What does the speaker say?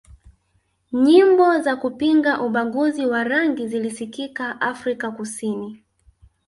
nyimbo za kupinga ubaguzi wa rangi zilisikika Afrika kusini